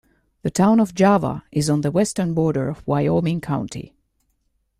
The Town of Java is on the western border of Wyoming County.